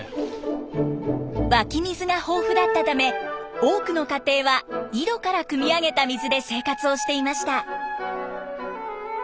湧き水が豊富だったため多くの家庭は井戸からくみ上げた水で生活をしていました。